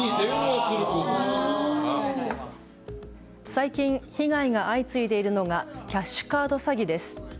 最近、被害が相次いでいるのがキャッシュカード詐欺です。